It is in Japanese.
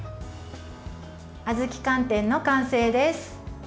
あずき寒天の完成です。